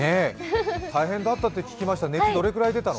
大変だったって聞きました。